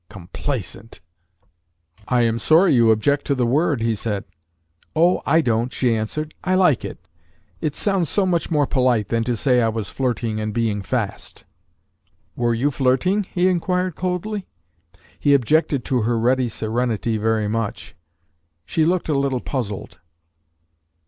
Complaisant!" "I am sorry you object to the word," he said. "Oh, I don't!" she answered. "I like it. It sounds so much more polite than to say I was flirting and being fast." "Were you flirting?" he inquired coldly. He objected to her ready serenity very much. She looked a little puzzled.